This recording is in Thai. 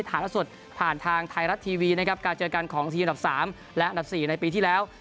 ละสดผ่านทางไทยรัฐทีวีนะครับการเจอกันของทีมอันดับ๓และอันดับ๔ในปีที่แล้ว